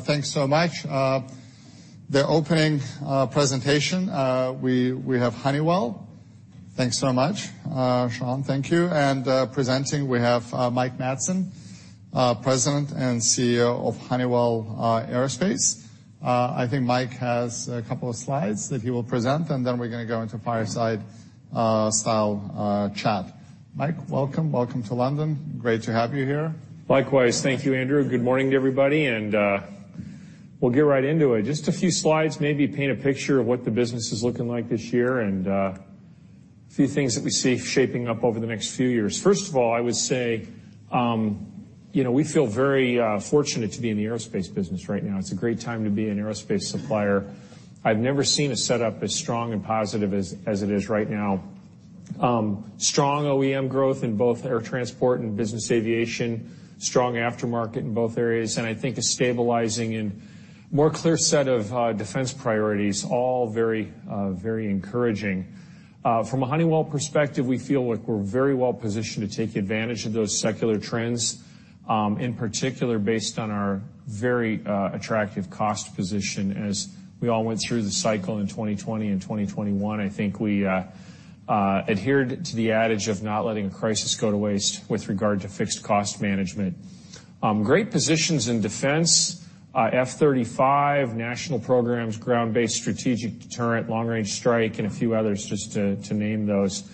Thanks so much. The opening presentation, we have Honeywell. Thanks so much, Sean, thank you. Presenting we have Mike Madsen, President and CEO of Honeywell Aerospace. I think Mike has a couple of slides that he will present, and then we're gonna go into fireside style chat. Mike, welcome. Welcome to London. Great to have you here. Likewise. Thank you, Andrew. Good morning to everybody, we'll get right into it. Just a few slides, maybe paint a picture of what the business is looking like this year and a few things that we see shaping up over the next few years. First of all, I would say, you know, we feel very fortunate to be in the aerospace business right now. It's a great time to be an aerospace supplier. I've never seen a setup as strong and positive as it is right now. Strong OEM growth in both air transport and business aviation, strong aftermarket in both areas, and I think a stabilizing and more clear set of defense priorities, all very, very encouraging. From a Honeywell perspective, we feel like we're very well positioned to take advantage of those secular trends, in particular based on our very attractive cost position as we all went through the cycle in 2020 and 2021, I think we adhered to the adage of not letting a crisis go to waste with regard to fixed cost management. Great positions in defense, F-35, national programs, Ground Based Strategic Deterrent, long-range strike, and a few others just to name those.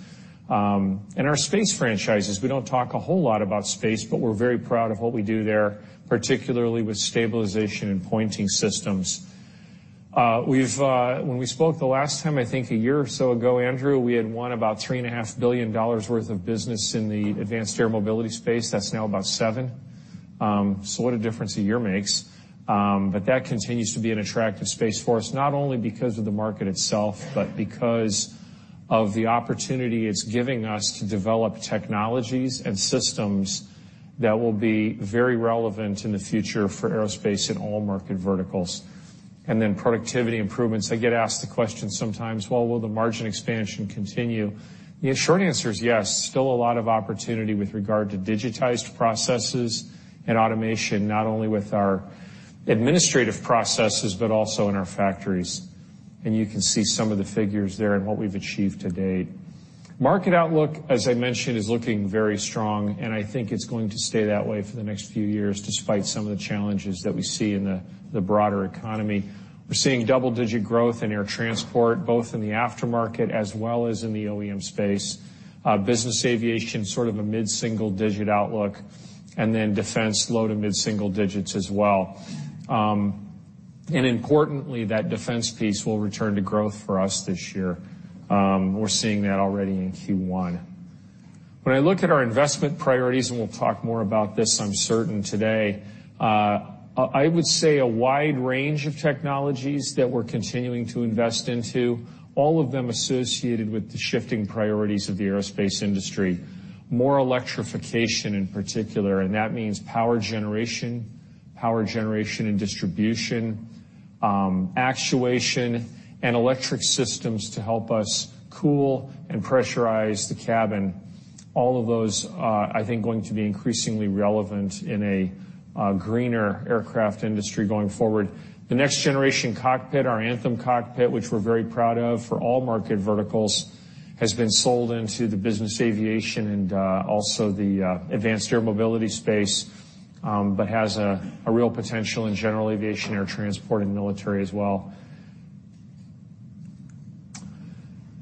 Our space franchises. We don't talk a whole lot about space, but we're very proud of what we do there, particularly with stabilization and pointing systems. When we spoke the last time, I think a year or so ago, Andrew, we had won about three and a half billion dollars worth of business in the advanced air mobility space. That's now about $7 billion. What a difference a year makes. That continues to be an attractive space for us, not only because of the market itself, but because of the opportunity it's giving us to develop technologies and systems that will be very relevant in the future for aerospace in all market verticals. Productivity improvements. I get asked the question sometimes, "Well, will the margin expansion continue?" The short answer is yes. Still a lot of opportunity with regard to digitized processes and automation, not only with our administrative processes, but also in our factories. You can see some of the figures there and what we've achieved to date. Market outlook, as I mentioned, is looking very strong, and I think it's going to stay that way for the next few years, despite some of the challenges that we see in the broader economy. We're seeing double-digit growth in air transport, both in the aftermarket as well as in the OEM space. Business aviation, sort of a mid-single digit outlook, and then defense, low to mid-single digits as well. Importantly, that defense piece will return to growth for us this year. We're seeing that already in Q1. I look at our investment priorities, and we'll talk more about this, I'm certain, today, I would say a wide range of technologies that we're continuing to invest into, all of them associated with the shifting priorities of the aerospace industry. More electrification in particular. That means power generation, power generation and distribution, actuation, and electric systems to help us cool and pressurize the cabin. All of those are, I think, going to be increasingly relevant in a greener aircraft industry going forward. The next generation cockpit, our Anthem cockpit, which we're very proud of for all market verticals, has been sold into the business aviation and also the advanced air mobility space, but has a real potential in general aviation, air transport, and military as well.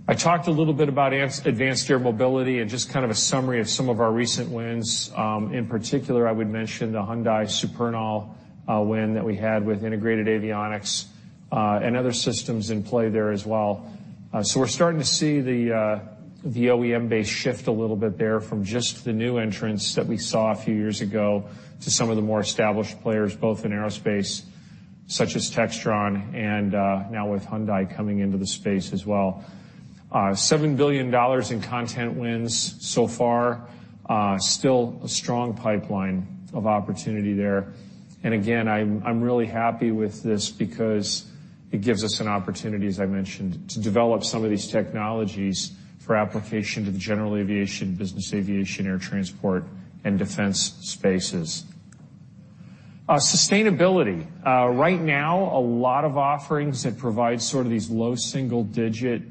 I talked a little bit about advanced air mobility and just kind of a summary of some of our recent wins. In particular, I would mention the Hyundai Supernal win that we had with integrated avionics and other systems in play there as well. We're starting to see the OEM base shift a little bit there from just the new entrants that we saw a few years ago to some of the more established players, both in aerospace, such as Textron, and now with Hyundai coming into the space as well. $7 billion in content wins so far. Still a strong pipeline of opportunity there. Again, I'm really happy with this because it gives us an opportunity, as I mentioned, to develop some of these technologies for application to the general aviation, business aviation, air transport, and defense spaces. Sustainability. Right now, a lot of offerings that provide sort of these low single digit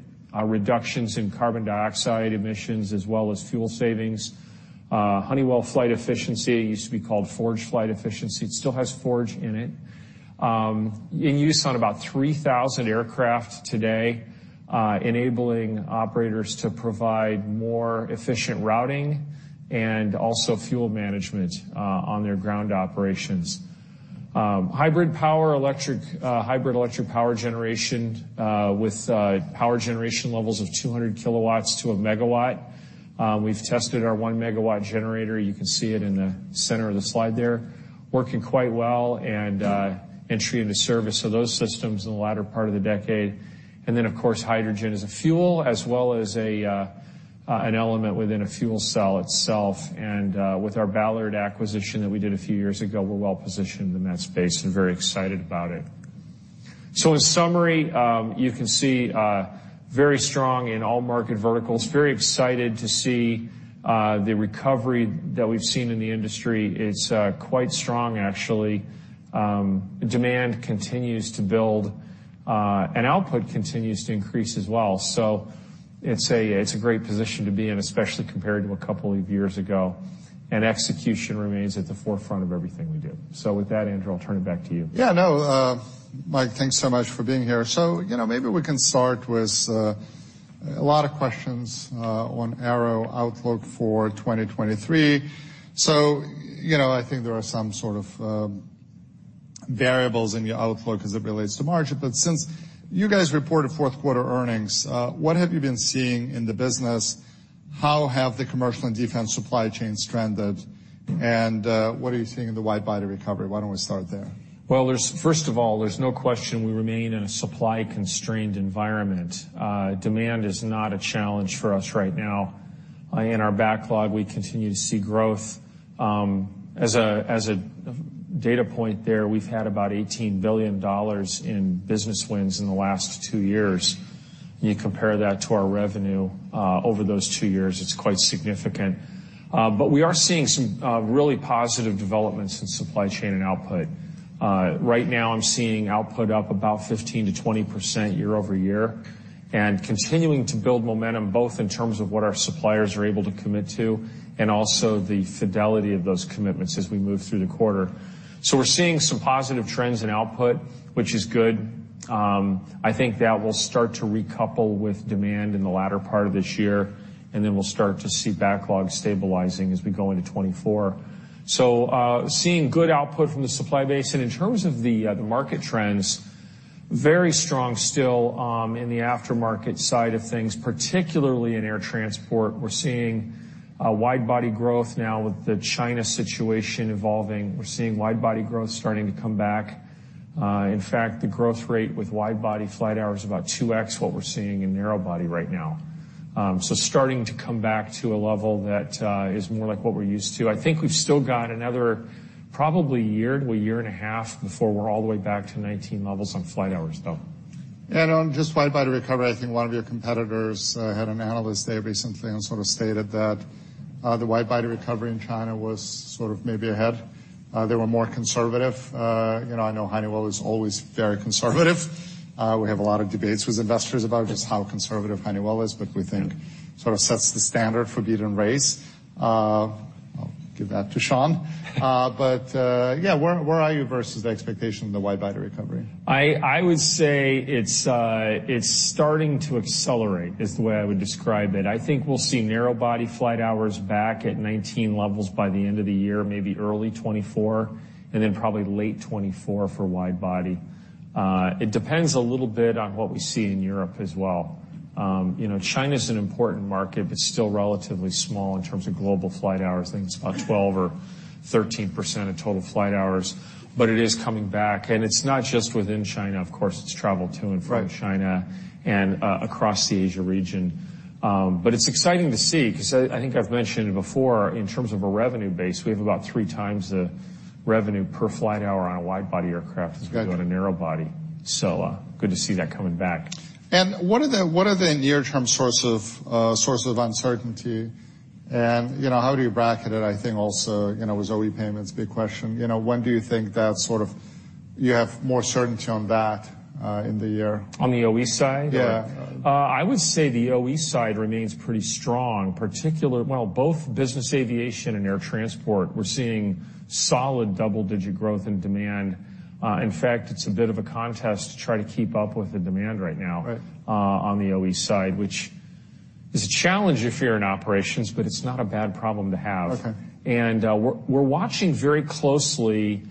reductions in carbon dioxide emissions as well as fuel savings. Honeywell Flight Efficiency, it used to be called Forge Flight Efficiency. It still has Forge in it. In use on about 3,000 aircraft today, enabling operators to provide more efficient routing and also fuel management on their ground operations. Hybrid electric power generation with power generation levels of 200 kW to 1 MW. We've tested our 1 MW generator, you can see it in the center of the slide there, working quite well and entry into service of those systems in the latter part of the decade. Of course, hydrogen as a fuel as well as an element within a fuel cell itself. With our Ballard acquisition that we did a few years ago, we're well positioned in that space and very excited about it. In summary, you can see very strong in all market verticals. Very excited to see the recovery that we've seen in the industry. It's quite strong actually. Demand continues to build and output continues to increase as well. It's a great position to be in, especially compared to a couple of years ago. Execution remains at the forefront of everything we do. With that, Andrew, I'll turn it back to you. Yeah, no, Mike, thanks so much for being here. You know, maybe we can start with a lot of questions on Aero outlook for 2023. You know, I think there are some sort of variables in your outlook as it relates to margin. Since you guys reported fourth quarter earnings, what have you been seeing in the business? How have the commercial and defense supply chains trended, and what are you seeing in the wide-body recovery? Why don't we start there? Well, first of all, there's no question we remain in a supply-constrained environment. Demand is not a challenge for us right now. In our backlog, we continue to see growth. As a data point there, we've had about $18 billion in business wins in the last two years. You compare that to our revenue over those two years, it's quite significant. We are seeing some really positive developments in supply chain and output. Right now I'm seeing output up about 15%-20% year-over-year, and continuing to build momentum, both in terms of what our suppliers are able to commit to and also the fidelity of those commitments as we move through the quarter. We're seeing some positive trends in output, which is good. I think that will start to recouple with demand in the latter part of this year, and then we'll start to see backlog stabilizing as we go into 2024. Seeing good output from the supply base. In terms of the market trends, very strong still in the aftermarket side of things, particularly in air transport. We're seeing wide-body growth now with the China situation evolving. We're seeing wide-body growth starting to come back. In fact, the growth rate with wide-body flight hours is about 2x what we're seeing in narrow body right now. Starting to come back to a level that is more like what we're used to. I think we've still got another probably year to a year and a half before we're all the way back to 2019 levels on flight hours, though. On just wide-body recovery, I think one of your competitors had an analyst there recently and sort of stated that the wide-body recovery in China was sort of maybe ahead. They were more conservative. You know, I know Honeywell is always very conservative. We have a lot of debates with investors about just how conservative Honeywell is, but we think sort of sets the standard for beat-and-race. I'll give that to Sean. But, yeah, where are you versus the expectation of the wide-body recovery? I would say it's starting to accelerate is the way I would describe it. I think we'll see narrow-body flight hours back at 2019 levels by the end of the year, maybe early 2024, and then probably late 2024 for wide body. It depends a little bit on what we see in Europe as well. You know, China's an important market, but still relatively small in terms of global flight hours. I think it's about 12% or 13% of total flight hours, but it is coming back. It's not just within China, of course, it's travel to and from China across the Asia region. It's exciting to see, 'cause I think I've mentioned it before, in terms of a revenue base, we have about three times the revenue per flight hour on a wide-body aircraft. Got you. As we do on a narrow body. Good to see that coming back. What are the near-term source of uncertainty? You know, how do you bracket it? I think also, you know, with OE payments, big question. You know, when do you think that sort of you have more certainty on that in the year? On the OE side? Yeah. I would say the OE side remains pretty strong, well, both business aviation and air transport, we're seeing solid double-digit growth in demand. In fact, it's a bit of a contest to try to keep up with the demand right now. Right. on the OE side, which is a challenge if you're in operations, but it's not a bad problem to have. Okay. We're watching very closely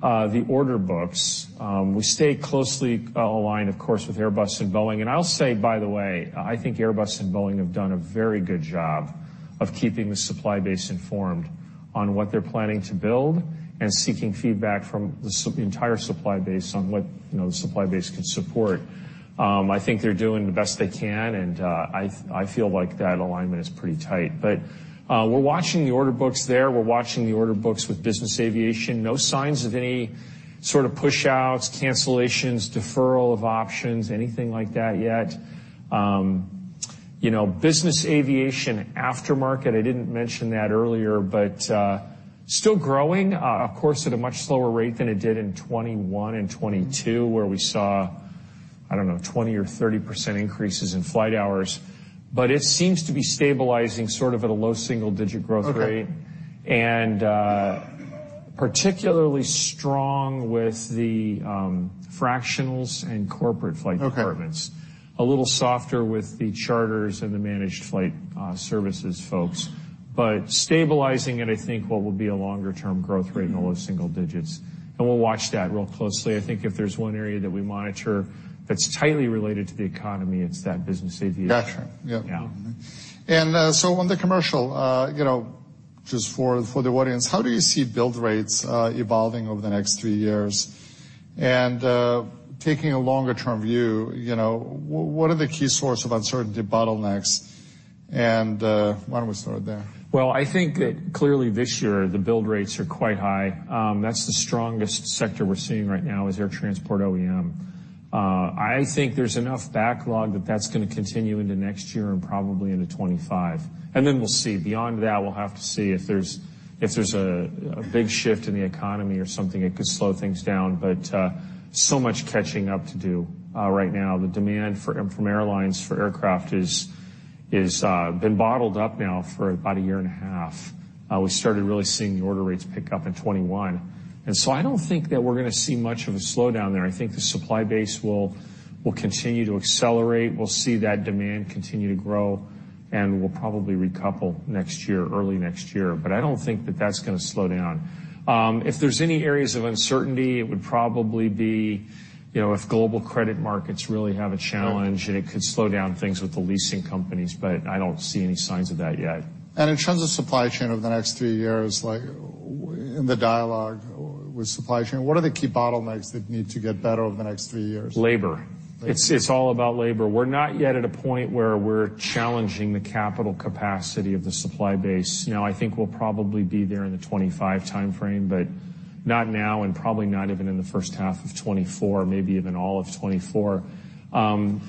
the order books. We stay closely aligned, of course, with Airbus and Boeing. I'll say, by the way, I think Airbus and Boeing have done a very good job of keeping the supply base informed on what they're planning to build and seeking feedback from the entire supply base on what, you know, the supply base can support. I think they're doing the best they can, I feel like that alignment is pretty tight. We're watching the order books there. We're watching the order books with business aviation. No signs of any sort of push-outs, cancellations, deferral of options, anything like that yet. You know, business aviation aftermarket, I didn't mention that earlier, but still growing, of course, at a much slower rate than it did in 2021 and 2022, where we saw, I don't know, 20% or 30% increases in flight hours. It seems to be stabilizing sort of at a low single-digit growth rate. Okay. particularly strong with the fractionals and corporate flight departments. Okay. A little softer with the charters and the managed flight services folks. Stabilizing at, I think, what will be a longer-term growth rate in the low single digits. We'll watch that real closely. I think if there's one area that we monitor that's tightly related to the economy, it's that business aviation. Gotcha. Yeah. Yeah. So on the commercial, you know, just for the audience, how do you see build rates evolving over the next three years? Taking a longer-term view, you know, what are the key source of uncertainty bottlenecks? Why don't we start there? I think that clearly this year the build rates are quite high. That's the strongest sector we're seeing right now is air transport OEM. I think there's enough backlog that that's gonna continue into next year and probably into 2025. Then we'll see. Beyond that, we'll have to see if there's a big shift in the economy or something that could slow things down. So much catching up to do right now. The demand from airlines for aircraft is been bottled up now for about a year and a half. We started really seeing the order rates pick up in 2021. I don't think that we're gonna see much of a slowdown there. I think the supply base will continue to accelerate. We'll see that demand continue to grow, and we'll probably recouple next year, early next year. I don't think that that's going to slow down. If there's any areas of uncertainty, it would probably be, you know, if global credit markets really have a challenge, and it could slow down things with the leasing companies. I don't see any signs of that yet. In terms of supply chain over the next three years, like in the dialogue with supply chain, what are the key bottlenecks that need to get better over the next three years? Labor. Labor. It's all about labor. We're not yet at a point where we're challenging the capital capacity of the supply base. You know, I think we'll probably be there in the 2025 timeframe, not now and probably not even in the first half of 2024, maybe even all of 2024.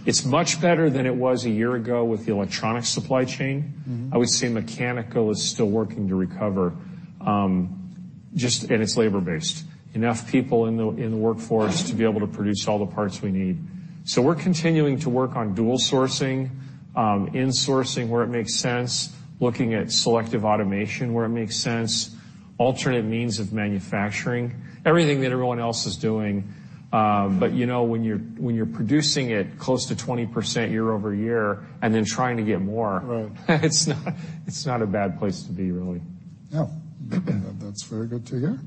It's much better than it was a year ago with the electronic supply chain. Mm-hmm. I would say mechanical is still working to recover, and it's labor-based. Enough people in the workforce to be able to produce all the parts we need. We're continuing to work on dual sourcing, insourcing where it makes sense, looking at selective automation where it makes sense, alternate means of manufacturing, everything that everyone else is doing. You know when you're producing it close to 20% year-over-year and then trying to get more- Right. It's not a bad place to be really. No. That's very good to hear.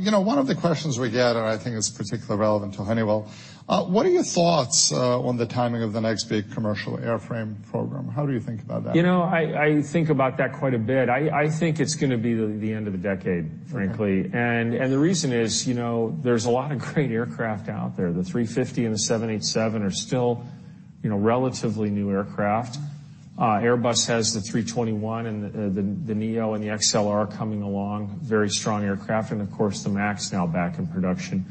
You know, one of the questions we get, and I think it's particularly relevant to Honeywell, what are your thoughts on the timing of the next big commercial airframe program? How do you think about that? You know, I think about that quite a bit. I think it's gonna be the end of the decade, frankly. The reason is, you know, there's a lot of great aircraft out there. The A350 and the 787 are still, you know, relatively new aircraft. Airbus has the A321 and the neo and the XLR coming along, very strong aircraft, and of course, the MAX now back in production.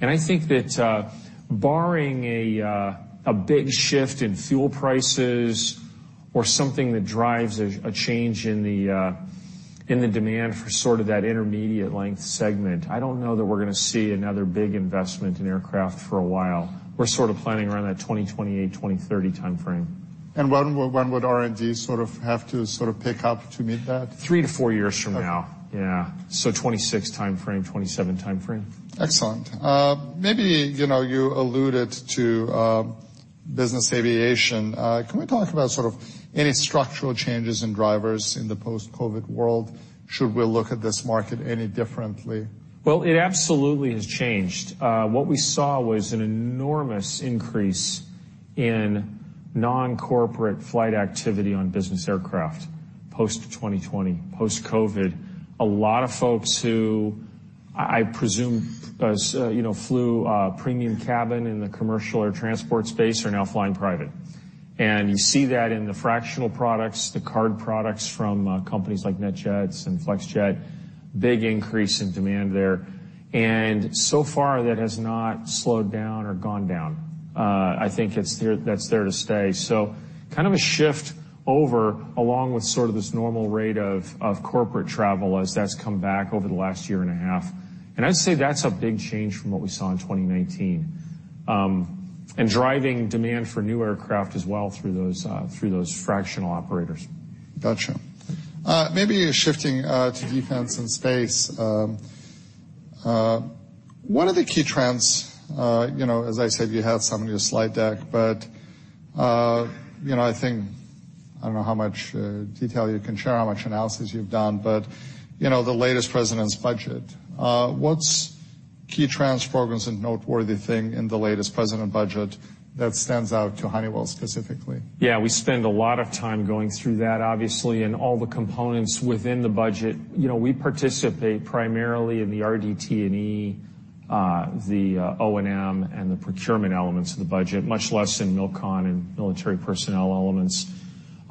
I think that, barring a big shift in fuel prices or something that drives a change in the demand for sort of that intermediate length segment, I don't know that we're gonna see another big investment in aircraft for a while. We're sort of planning around that 2028-2030 timeframe. When would R&D sort of have to pick up to meet that? Three to four years from now. Okay. Yeah. 2026 timeframe, 2027 timeframe. Excellent. Maybe, you know, you alluded to business aviation, can we talk about sort of any structural changes and drivers in the post-COVID world, should we look at this market any differently? Well, it absolutely has changed. What we saw was an enormous increase in non-corporate flight activity on business aircraft post-2020, post-COVID. A lot of folks who I presume, as, you know, flew, premium cabin in the commercial or transport space are now flying private. You see that in the fractional products, the card products from, companies like NetJets and Flexjet, big increase in demand there. So far that has not slowed down or gone down. I think that's there to stay. Kind of a shift over along with sort of this normal rate of corporate travel as that's come back over the last year and a half. I'd say that's a big change from what we saw in 2019. Driving demand for new aircraft as well through those, through those fractional operators. ifting to defense and space. What are the key trends, you know, as I said, you have some in your slide deck, but, you know, I think I don't know how much detail you can share, how much analysis you've done, but, you know, the latest president's budget, what's key trends, programs, and noteworthy thing in the latest president budget that stands out to Honeywell specifically? We spend a lot of time going through that, obviously, and all the components within the budget. You know, we participate primarily in the RDT&E, the O&M, and the procurement elements of the budget, much less in MILCON and military personnel elements of the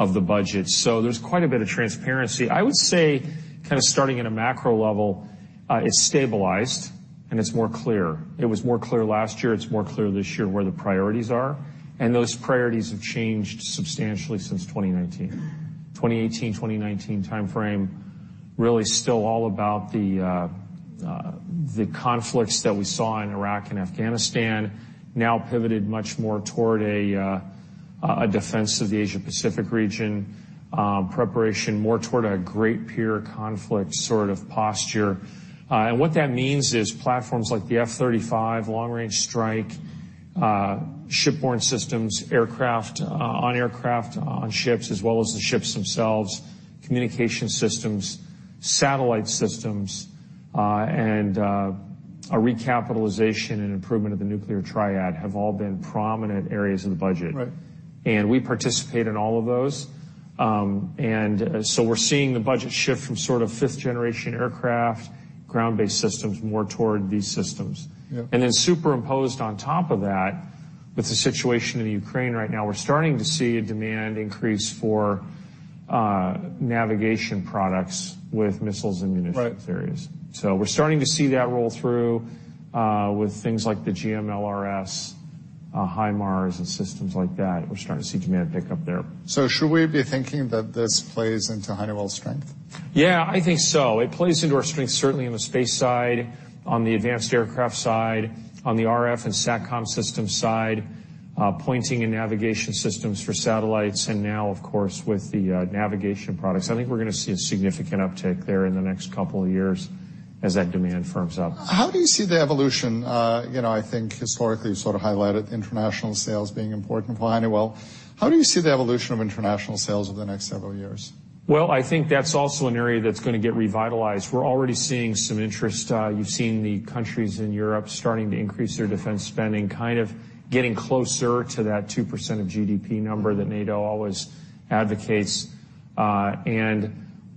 budget. There's quite a bit of transparency. I would say kind of starting at a macro level, it's stabilized, and it's more clear. It was more clear last year, it's more clear this year where the priorities are, and those priorities have changed substantially since 2019. 2018, 2019 timeframe really still all about the conflicts that we saw in Iraq and Afghanistan, now pivoted much more toward a defense of the Asia Pacific region, preparation more toward a great peer conflict sort of posture. What that means is platforms like the F-35, long-range strike, shipborne systems, aircraft, on aircraft, on ships, as well as the ships themselves, communication systems, satellite systems, a recapitalization and improvement of the nuclear triad have all been prominent areas of the budget. Right. We participate in all of those. We're seeing the budget shift from sort of fifth-generation aircraft, ground-based systems, more toward these systems. Yeah. Superimposed on top of that, with the situation in Ukraine right now, we're starting to see a demand increase for navigation products with missiles and munitions. Right. Areas. We're starting to see that roll through, with things like the GMLRS, HIMARS, and systems like that. We're starting to see demand pick up there. Should we be thinking that this plays into Honeywell's strength? Yeah, I think so. It plays into our strength, certainly on the space side, on the advanced aircraft side, on the RF and SATCOM systems side, pointing and navigation systems for satellites, and now of course with the navigation products. I think we're gonna see a significant uptick there in the next couple of years as that demand firms up. you know, I think historically you sort of highlighted international sales being important for Honeywell. How do you see the evolution of international sales over the next several years? Well, I think that's also an area that's gonna get revitalized. We're already seeing some interest. You've seen the countries in Europe starting to increase their defense spending, kind of getting closer to that 2% of GDP number that NATO always advocates.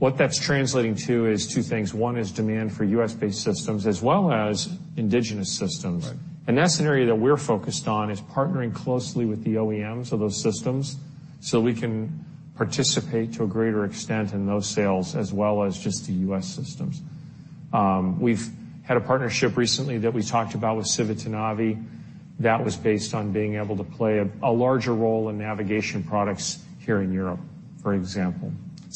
What that's translating to is two things. One is demand for U.S.-based systems as well as indigenous systems. Right. That's an area that we're focused on, is partnering closely with the OEMs of those systems so we can participate to a greater extent in those sales as well as just the U.S. systems. We've had a partnership recently that we talked about with Civitanavi. That was based on being able to play a larger role in navigation products here in Europe, for example.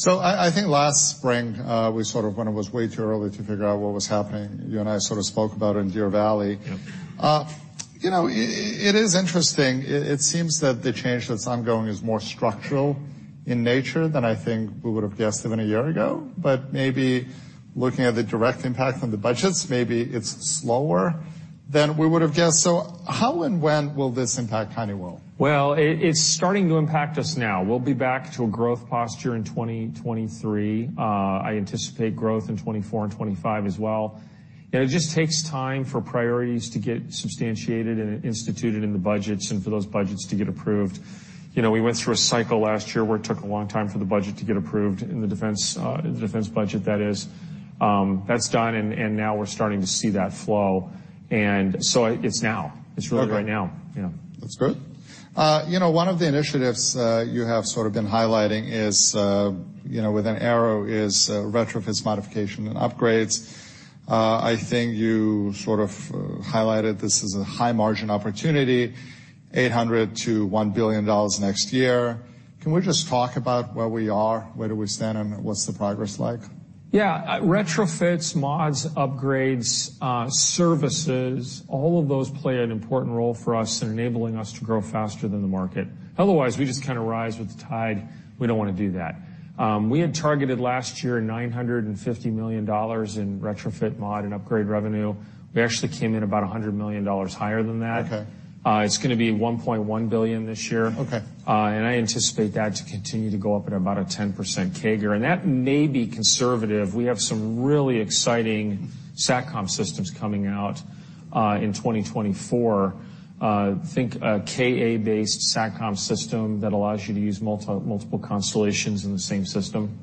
I think last spring, we sort of when it was way too early to figure out what was happening, you and I sort of spoke about it in Deer Valley. Yep. you know, it is interesting. It seems that the change that's ongoing is more structural in nature than I think we would've guessed even a year ago. Maybe looking at the direct impact on the budgets, maybe it's slower than we would've guessed. How and when will this impact Honeywell? Well, it's starting to impact us now. We'll be back to a growth posture in 2023. I anticipate growth in 2024 and 2025 as well. You know, it just takes time for priorities to get substantiated and instituted in the budgets and for those budgets to get approved. You know, we went through a cycle last year where it took a long time for the budget to get approved in the defense, the defense budget that is. That's done, and now we're starting to see that flow. It's now. Okay. It's really right now. Yeah. That's good. you know, one of the initiatives, you have sort of been highlighting is, you know, with Aero, is retrofits, modification, and upgrades. I think you sort of highlighted this as a high-margin opportunity, $800 million-$1 billion next year. Can we just talk about where we are, where do we stand, and what's the progress like? Yeah. Retrofits, mods, upgrades, services, all of those play an important role for us in enabling us to grow faster than the market. We just kind of rise with the tide. We don't wanna do that. We had targeted last year $950 million in retrofit, mod, and upgrade revenue. We actually came in about $100 million higher than that. Okay. It's gonna be $1.1 billion this year. Okay. I anticipate that to continue to go up at about a 10% CAGR. That may be conservative. We have some really exciting SATCOM systems coming out in 2024. Think a Ka-based SATCOM system that allows you to use multiple constellations in the same system,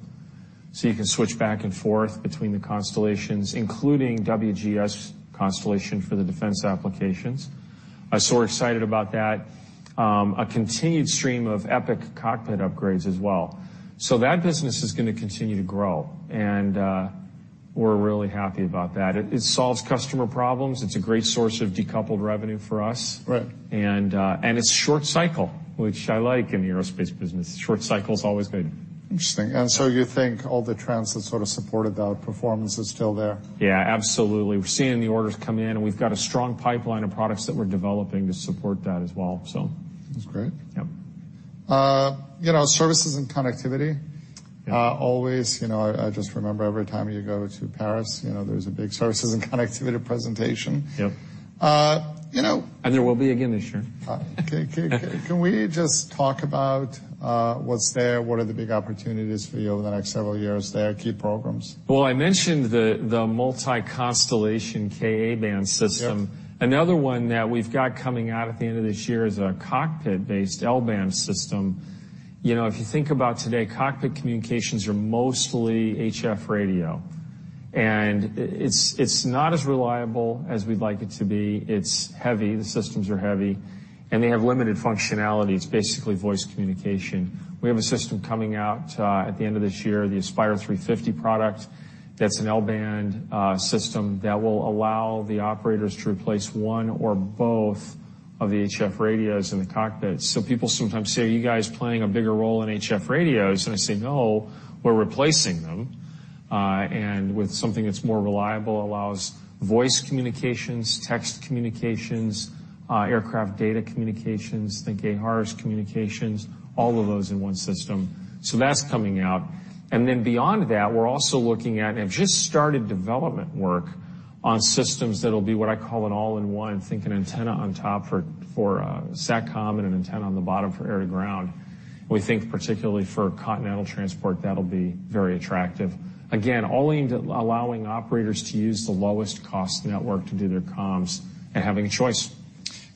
so you can switch back and forth between the constellations, including WGS constellation for the defense applications. We're excited about that. A continued stream of Epic cockpit upgrades as well. That business is gonna continue to grow, and we're really happy about that. It solves customer problems. It's a great source of decoupled revenue for us. Right. It's short cycle, which I like in the aerospace business. Short cycle's always good. Interesting. You think all the trends that sort of supported that performance is still there? Absolutely. We're seeing the orders come in, and we've got a strong pipeline of products that we're developing to support that as well. That's great. Yep. You know, services and connectivity. Yeah. always, you know, I just remember every time you go to Paris, you know, there's a big services and connectivity presentation. Yep. You know. There will be again this year. Can we just talk about what's there, what are the big opportunities for you over the next several years there, key programs? Well, I mentioned the multi-constellation Ka-band system. Yes. Another one that we've got coming out at the end of this year is a cockpit-based L-band system. You know, if you think about today, cockpit communications are mostly HF radio. It's not as reliable as we'd like it to be. It's heavy. The systems are heavy, and they have limited functionality. It's basically voice communication. We have a system coming out at the end of this year, the Aspire 350 product, that's an L-band system that will allow the operators to replace one or both of the HF radios in the cockpit. People sometimes say, "Are you guys playing a bigger role in HF radios?" I say, "No, we're replacing them, and with something that's more reliable, allows voice communications, text communications, aircraft data communications, think ACARS communications, all of those in one system." That's coming out. Beyond that, we're also looking at and have just started development work on systems that'll be what I call an all-in-one. Think an antenna on top for SATCOM and an antenna on the bottom for air-to-ground. We think particularly for continental transport, that'll be very attractive. Again, all aimed at allowing operators to use the lowest cost network to do their comms and having a choice.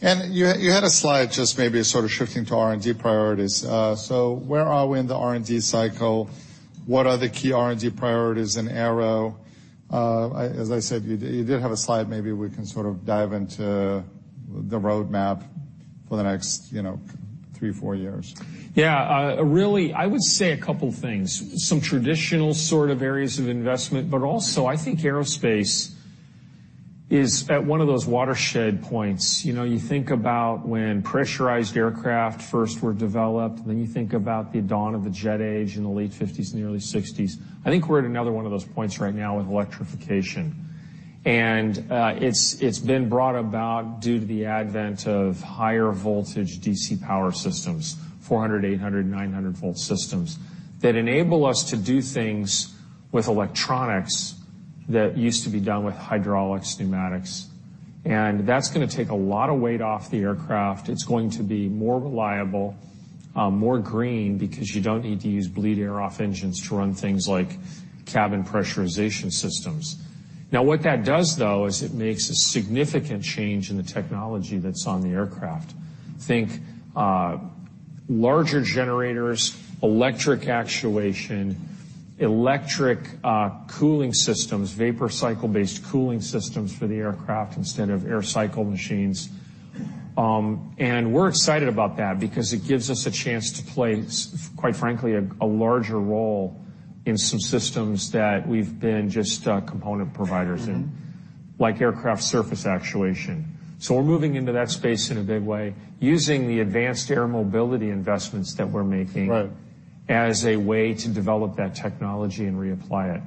You had a slide just maybe sort of shifting to R&D priorities. Where are we in the R&D cycle? What are the key R&D priorities in Aero? As I said, you did have a slide, maybe we can sort of dive into the roadmap for the next, you know, three, four years. Yeah. Really, I would say a couple things. Some traditional sort of areas of investment, but also I think aerospace is at one of those watershed points. You know, you think about when pressurized aircraft first were developed, and then you think about the dawn of the jet age in the late fifties and early sixties. I think we're at another one of those points right now with electrification. It's been brought about due to the advent of higher voltage DC power systems, 400, 800, 900 volt systems that enable us to do things with electronics that used to be done with hydraulics, pneumatics. That's gonna take a lot of weight off the aircraft. It's going to be more reliable, more green, because you don't need to use bleed air off engines to run things like cabin pressurization systems. What that does though, is it makes a significant change in the technology that's on the aircraft. Think, larger generators, electric actuation, electric cooling systems, vapor cycle-based cooling systems for the aircraft instead of air cycle machines. We're excited about that because it gives us a chance to play, quite frankly, a larger role in some systems that we've been just component providers in. Mm-hmm. Like aircraft surface actuation. We're moving into that space in a big way, using the advanced air mobility investments that we're making. Right as a way to develop that technology and reapply it.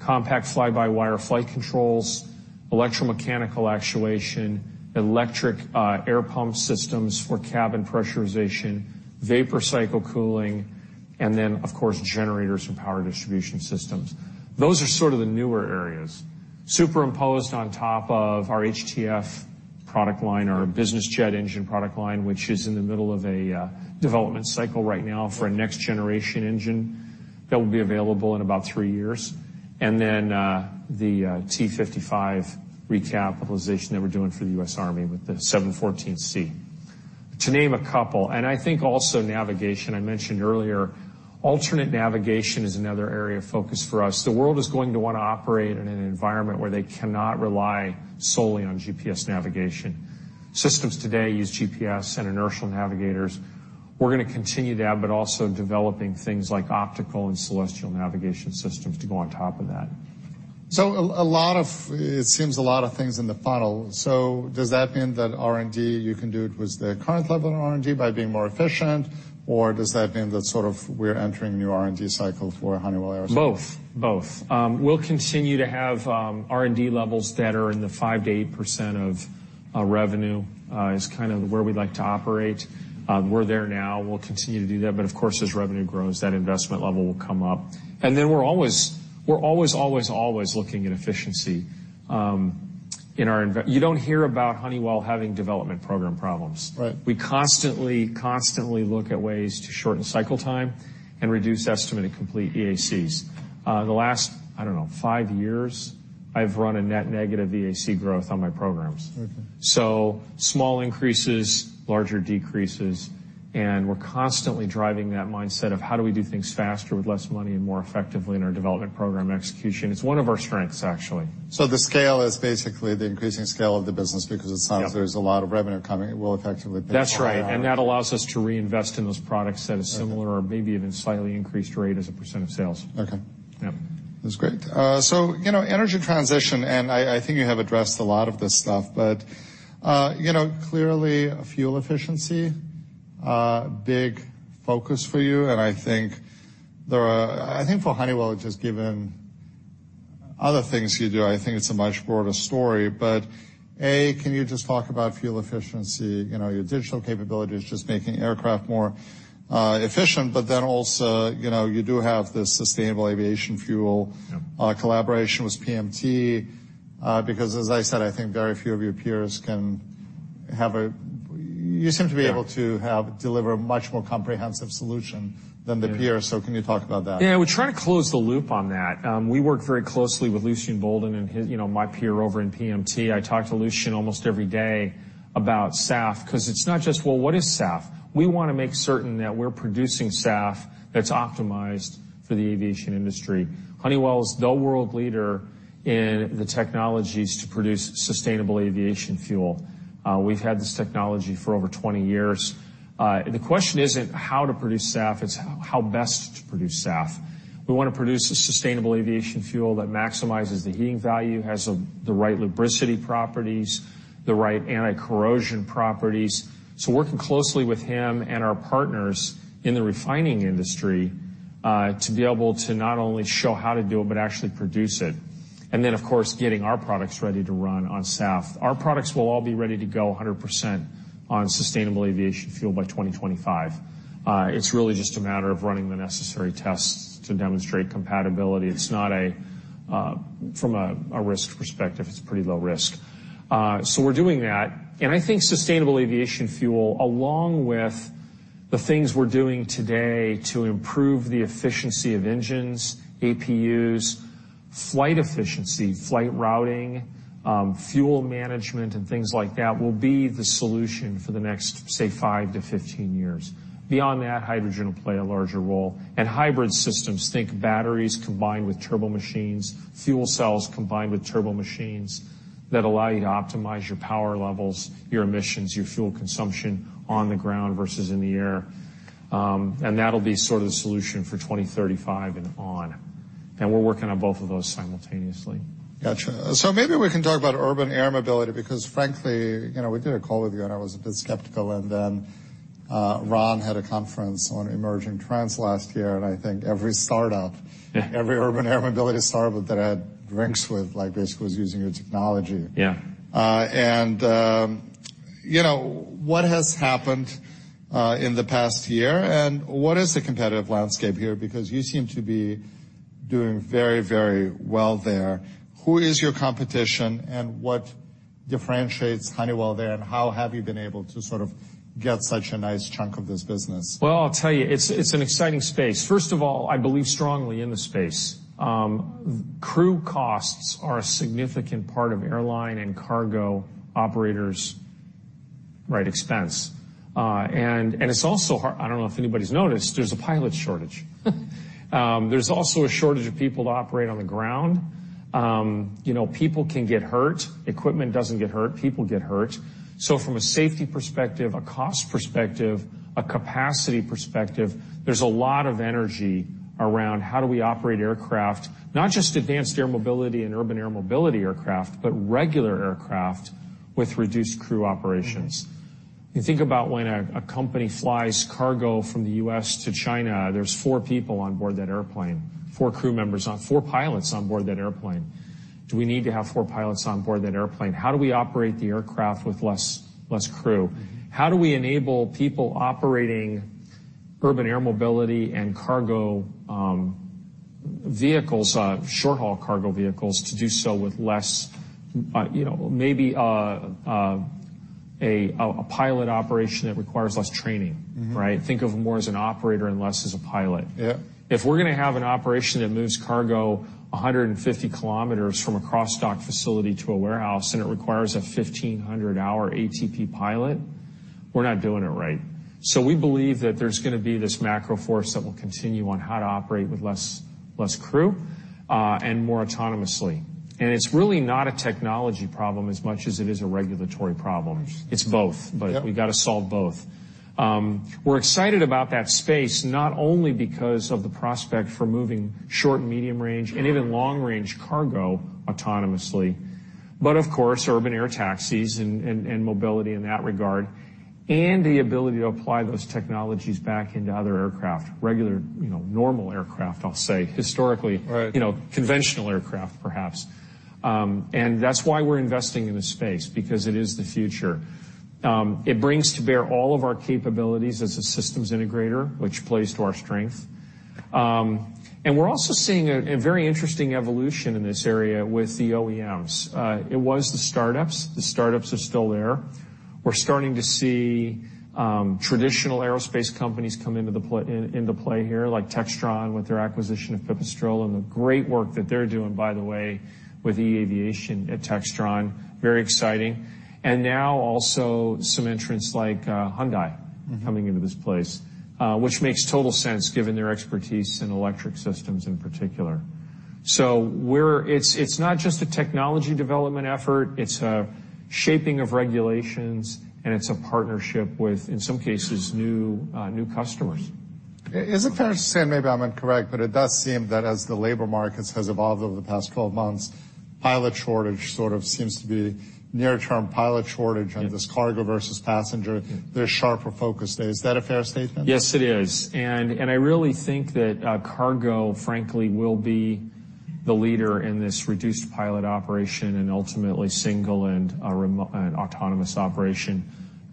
Compact fly-by-wire flight controls, electromechanical actuation, electric air pump systems for cabin pressurization, vapor cycle cooling, and then of course, generators and power distribution systems. Those are sort of the newer areas superimposed on top of our HTF product line, our business jet engine product line, which is in the middle of a development cycle right now for a next generation engine that will be available in about three years. The T-55 recapitalization that we're doing for the U.S. Army with the 714C. To name a couple, and I think also navigation, I mentioned earlier, alternate navigation is another area of focus for us. The world is going to wanna operate in an environment where they cannot rely solely on GPS navigation. Systems today use GPS and inertial navigators. We're gonna continue that, but also developing things like optical and celestial navigation systems to go on top of that. A lot of things in the funnel. Does that mean that R&D, you can do it with the current level of R&D by being more efficient? Does that mean that sort of we're entering new R&D cycle for Honeywell Aero? Both. Both. We'll continue to have R&D levels that are in the 5% to 8% of revenue is kind of where we'd like to operate. We're there now. We'll continue to do that, but of course, as revenue grows, that investment level will come up. Then we're always looking at efficiency. You don't hear about Honeywell having development program problems. Right. We constantly look at ways to shorten cycle time and reduce estimate to complete EACs. The last, I don't know, five years I've run a net negative EAC growth on my programs. Okay. Small increases, larger decreases, and we're constantly driving that mindset of how do we do things faster with less money and more effectively in our development program execution. It's one of our strengths, actually. the scale is basically the increasing scale of the business because it sounds. Yep there's a lot of revenue coming. It will effectively pay for. That's right. That allows us to reinvest in those products at a similar or maybe even slightly increased rate as a percent of sales. Okay. Yeah. That's great. You know, energy transition, and I think you have addressed a lot of this stuff. You know, clearly fuel efficiency, big focus for you. I think for Honeywell, just given other things you do, I think it's a much broader story. A, can you just talk about fuel efficiency, you know, your digital capabilities, just making aircraft more efficient, but then also, you know, you do have the sustainable aviation fuel collaboration with PMT. Because as I said, I think very few of your peers can deliver a much more comprehensive solution than the peers. Can you talk about that? We try to close the loop on that. We work very closely with Lucian Boldea and his, you know, my peer over in PMT. I talk to Lucian almost every day about SAF 'cause it's not just, well, what is SAF? We wanna make certain that we're producing SAF that's optimized for the aviation industry. Honeywell is the world leader in the technologies to produce sustainable aviation fuel. We've had this technology for over 20 years. The question isn't how to produce SAF, it's how best to produce SAF. We wanna produce a sustainable aviation fuel that maximizes the heating value, has the right lubricity properties, the right anti-corrosion properties. Working closely with him and our partners in the refining industry to be able to not only show how to do it, but actually produce it. Of course, getting our products ready to run on SAF. Our products will all be ready to go 100% on sustainable aviation fuel by 2025. It's really just a matter of running the necessary tests to demonstrate compatibility. It's not from a risk perspective, it's pretty low risk. We're doing that and I think sustainable aviation fuel, along with the things we're doing today to improve the efficiency of engines, APUs-Flight efficiency, flight routing, fuel management and things like that will be the solution for the next, say, five to 15 years. Beyond that, hydrogen will play a larger role. Hybrid systems, think batteries combined with turbo machines, fuel cells combined with turbo machines that allow you to optimize your power levels, your emissions, your fuel consumption on the ground versus in the air. That'll be sort of the solution for 2035 and on. We're working on both of those simultaneously. Gotcha. Maybe we can talk about urban air mobility because frankly, you know, we did a call with you, and I was a bit skeptical. Ron had a conference on emerging trends last year, and I think every startup. Yeah. Every urban air mobility startup that I had drinks with, like, basically was using your technology. Yeah. You know, what has happened in the past year, and what is the competitive landscape here? Because you seem to be doing very, very well there. Who is your competition, and what differentiates Honeywell there, and how have you been able to sort of get such a nice chunk of this business? Well, I'll tell you, it's an exciting space. First of all, I believe strongly in the space. Crew costs are a significant part of airline and cargo operators', right, expense. It's also hard. I don't know if anybody's noticed there's a pilot shortage. There's also a shortage of people to operate on the ground. You know, people can get hurt. Equipment doesn't get hurt. People get hurt. From a safety perspective, a cost perspective, a capacity perspective, there's a lot of energy around how do we operate aircraft, not just advanced air mobility and urban air mobility aircraft, but regular aircraft with reduced crew operations. You think about when a company flies cargo from the U.S. to China, there's four people on board that airplane, four pilots on board that airplane. Do we need to have four pilots on board that airplane? How do we operate the aircraft with less crew? How do we enable people operating urban air mobility and cargo vehicles, short-haul cargo vehicles to do so with less, you know, maybe, a pilot operation that requires less training, right? Mm-hmm. Think of more as an operator and less as a pilot. Yeah. If we're gonna have an operation that moves cargo 150 km from a cross-dock facility to a warehouse, and it requires a 1,500 hr ATP pilot, we're not doing it right. We believe that there's gonna be this macro force that will continue on how to operate with less, less crew, and more autonomously. It's really not a technology problem as much as it is a regulatory problem. It's both. Yeah. We've got to solve both. We're excited about that space, not only because of the prospect for moving short, medium range, and even long range cargo autonomously, but of course, urban air taxis and mobility in that regard, and the ability to apply those technologies back into other aircraft. Regular, you know, normal aircraft, I'll say, historically. Right. You know, conventional aircraft perhaps. That's why we're investing in the space because it is the future. It brings to bear all of our capabilities as a systems integrator, which plays to our strength. We're also seeing a very interesting evolution in this area with the OEMs. It was the startups. The startups are still there. We're starting to see traditional aerospace companies come into play here, like Textron with their acquisition of Pipistrel and the great work that they're doing, by the way, with eAviation at Textron. Very exciting. Now also some entrants like Hyundai coming into this place, which makes total sense given their expertise in electric systems in particular. It's not just a technology development effort, it's a shaping of regulations, and it's a partnership with, in some cases, new customers. Is it fair to say, and maybe I'm incorrect, but it does seem that as the labor markets has evolved over the past 12 months, pilot shortage sort of seems to be near term pilot shortage on this cargo versus passenger. There's sharper focus there. Is that a fair statement? Yes, it is. I really think that cargo, frankly, will be the leader in this reduced pilot operation and ultimately single and autonomous operation.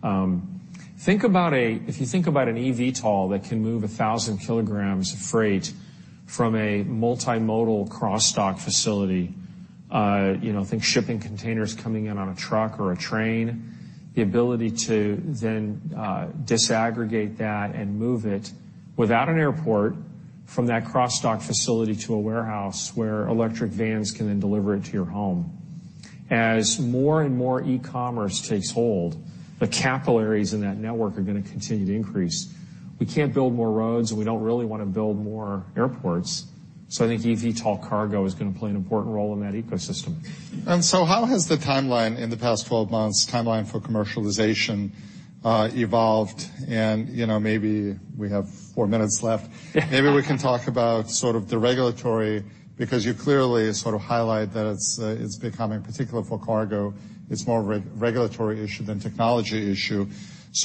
If you think about an eVTOL that can move 1,000 kg of freight from a multimodal cross-dock facility, you know, think shipping containers coming in on a truck or a train, the ability to then disaggregate that and move it without an airport from that cross-dock facility to a warehouse where electric vans can then deliver it to your home. As more and more e-commerce takes hold, the capillaries in that network are gonna continue to increase. We can't build more roads, and we don't really wanna build more airports. I think eVTOL cargo is gonna play an important role in that ecosystem. How has the timeline in the past 12 months, timeline for commercialization, evolved? You know, maybe we have four minutes left. Maybe we can talk about sort of the regulatory, because you clearly sort of highlight that it's becoming particular for cargo. It's more of a regulatory issue than technology issue.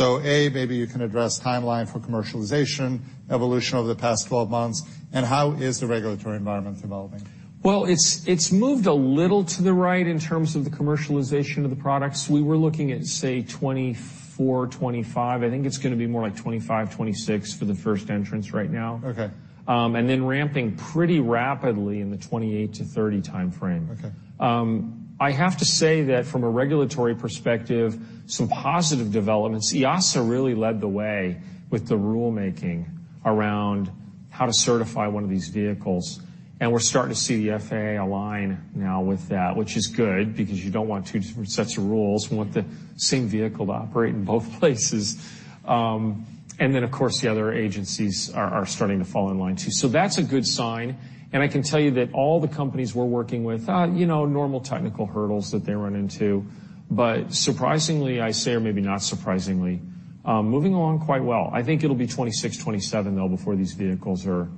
A, maybe you can address timeline for commercialization, evolution over the past 12 months, and how is the regulatory environment evolving? Well, it's moved a little to the right in terms of the commercialization of the products. We were looking at, say, 2024, 2025. I think it's gonna be more like 2025, 2026 for the first entrants right now. Okay. Then ramping pretty rapidly in the 28-30 timeframe. Okay. I have to say that from a regulatory perspective, some positive developments. EASA really led the way with the rulemaking around how to certify one of these vehicles. We're starting to see the FAA align now with that, which is good because you don't want two different sets of rules. You want the same vehicle to operate in both places. Of course, the other agencies are starting to fall in line too. That's a good sign, and I can tell you that all the companies we're working with, you know, normal technical hurdles that they run into. Surprisingly, I say, or maybe not surprisingly, moving along quite well. I think it'll be 2026, 2027 though before these vehicles are,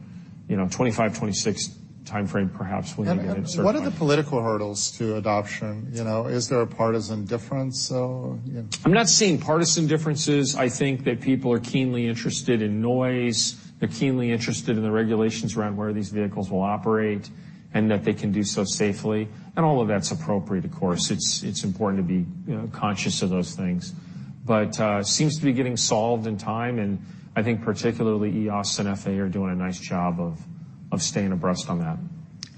you know, 2025, 2026 timeframe perhaps when they get certified. What are the political hurdles to adoption? You know, is there a partisan difference though? You know. I'm not seeing partisan differences. I think that people are keenly interested in noise. They're keenly interested in the regulations around where these vehicles will operate and that they can do so safely, and all of that's appropriate of course. It's important to be, you know, conscious of those things. Seems to be getting solved in time, and I think particularly EASA and FAA are doing a nice job of staying abreast on that.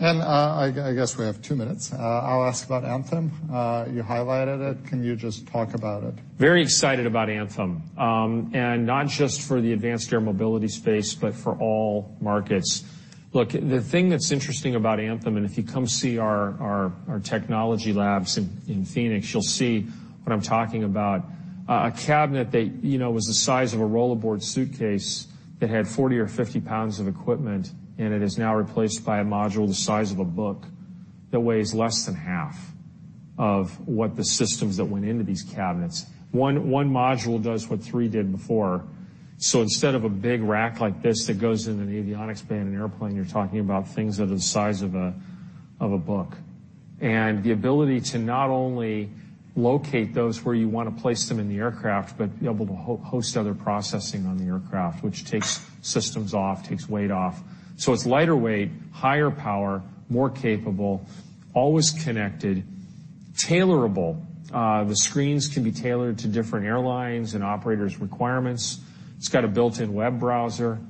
I guess we have two minutes. I'll ask about Anthem. You highlighted it. Can you just talk about it? Very excited about Anthem. Not just for the advanced air mobility space, but for all markets. Look, the thing that's interesting about Anthem, and if you come see our technology labs in Phoenix, you'll see what I'm talking about. A cabinet that, you know, was the size of a rollaboard suitcase that had 40 or 50 pounds of equipment, and it is now replaced by a module the size of a book that weighs less than half of what the systems that went into these cabinets. One module does what three did before. Instead of a big rack like this that goes in an avionics bay in an airplane, you're talking about things that are the size of a book. The ability to not only locate those where you wanna place them in the aircraft, but be able to host other processing on the aircraft, which takes systems off, takes weight off. It's lighter weight, higher power, more capable, always connected, tailorable. The screens can be tailored to different airlines and operators' requirements. It's got a built-in web browser.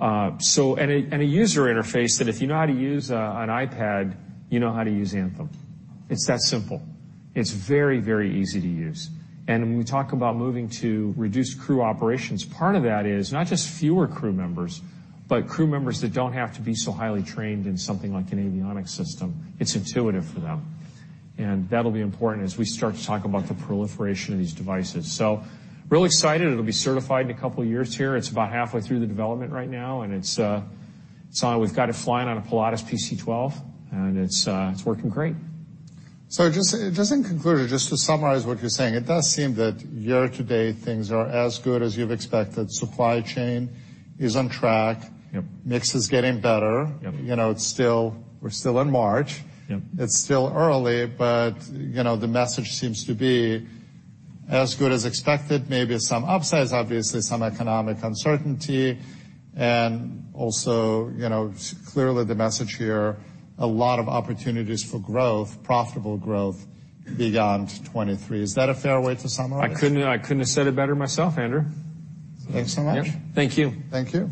A user interface that if you know how to use an iPad, you know how to use Anthem. It's that simple. It's very easy to use. When we talk about moving to reduced crew operations, part of that is not just fewer crew members, but crew members that don't have to be so highly trained in something like an avionics system. It's intuitive for them. That'll be important as we start to talk about the proliferation of these devices. Real excited. It'll be certified in a couple years here. It's about halfway through the development right now. We've got it flying on a Pilatus PC-12, and it's working great. Just in conclusion, just to summarize what you're saying, it does seem that year-to-date things are as good as you've expected. Supply chain is on track. Yep. Mix is getting better. Yep. You know, We're still in March. Yep. It's still early, you know, the message seems to be as good as expected, maybe some upsides, obviously some economic uncertainty. You know, clearly the message here, a lot of opportunities for growth, profitable growth beyond 2023. Is that a fair way to summarize? I couldn't have said it better myself, Andrew. Thank you so much. Yep. Thank you. Thank you.